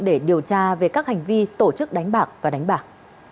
để điều tra về các hành vi tổ chức đánh bạc và đánh bạc